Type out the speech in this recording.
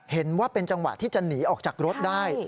เห็นว่าเป็นจังหวะที่จะหนีออกจากรถได้